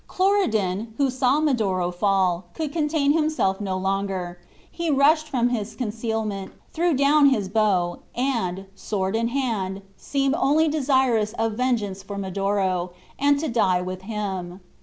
Cloridan, who saw Medoro fall, could contain himself no longer. He rushed from his concealment, threw down his bow, and, sword in hand, seemed only desirous of vengeance for Medoro, and to die with him.